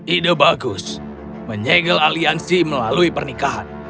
ide bagus menyegel aliansi melalui pernikahan